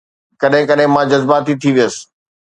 ڪڏهن ڪڏهن مان جذباتي ٿي ويس